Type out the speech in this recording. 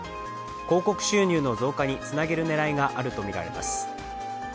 広告収入の増加につなげる狙いがあるとみられます。